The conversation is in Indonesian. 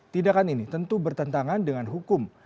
tindakan ini tentu bertentangan dengan hukum